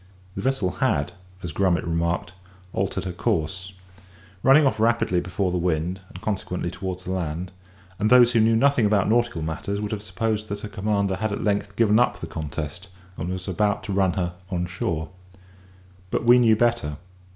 The vessel had, as Grummet remarked, altered her course; running off rapidly before the wind, and consequently towards the land; and those who knew nothing about nautical matters would have supposed that her commander had at length given up the contest, and was about to run her on shore. But we knew better.